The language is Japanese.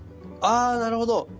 あなるほど。